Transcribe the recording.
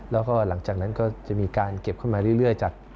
แล้วก็หลังจากนั้นก็จะมีการเก็บขึ้นมาเรื่อยจาก